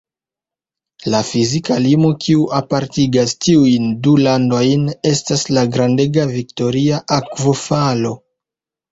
La fizika limo kiu apartigas tiujn du landojn estas la grandega Viktoria Akvofalo.